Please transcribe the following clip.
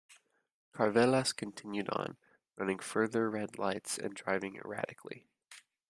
Karvelas continued on, running further red lights and driving erratically.